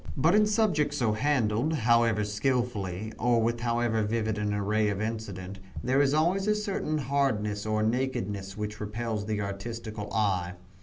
But in subjects so handled, however skillfully, or with however vivid an array of incident, there is always a certain hardness or nakedness which repels the artistical eye.